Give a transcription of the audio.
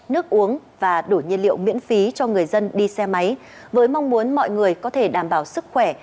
nước uống và đủ nhiên liệu miễn phí cho người dân đi xe máy với mong muốn mọi người có thể đảm bảo sức khỏe